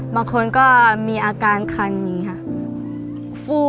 บางคนก็มีอาการคันอย่างนี้ค่ะ